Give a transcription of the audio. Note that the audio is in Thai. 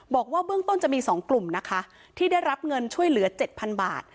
บอกว่าเบื้องต้นจะมี๒กลุ่มนะคะที่ได้รับเงินช่วยเหลือ๗๐๐บาท